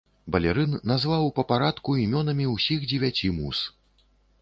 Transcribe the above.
Балерын назваў па парадку імёнамі ўсіх дзевяці муз.